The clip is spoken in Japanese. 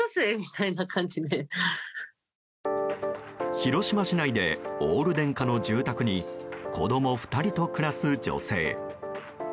広島市内でオール電化の住宅に子供２人と暮らす女性。